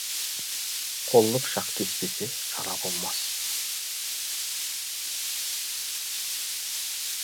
Қолды пышақ кеспесе, жара болмас.